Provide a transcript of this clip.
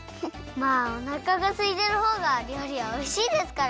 まあおなかがすいてるほうがりょうりはおいしいですから！